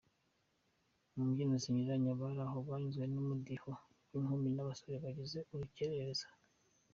Mu mbyino zinyuranye abari aho banyuzwe n'umudiho w'inkumi n'abasore bagize Urukerereza.